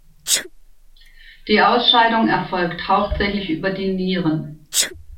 Die Ausscheidung erfolgt hauptsächlich über die Nieren.